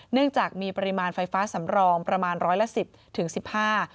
เนื่องจากมีปริมาณไฟฟ้าสำรองประมาณร้อยละ๑๐๑๕